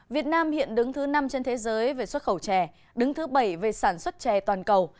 việt nam hiện đứng thứ năm trên thế giới về xuất khẩu chè đứng thứ bảy về sản xuất chè toàn cầu